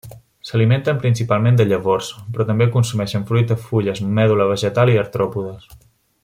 S'alimenten principalment de llavors, però també consumeixen fruita, fulles, medul·la vegetal i artròpodes.